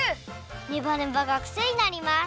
ネバネバがくせになります！